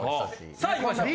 さあいきましょう！